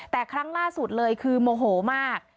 แต่ครั้งล่าสุดเลยคือโมโหมาก